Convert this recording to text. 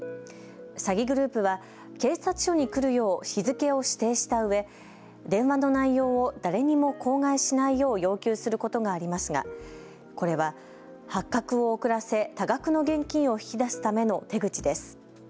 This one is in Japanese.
詐欺グループは警察署に来るよう日付を指定したうえ電話の内容を誰にも口外しないよう要求することがありますがこれは発覚を遅らせ多額の現金を引き出すための手口です。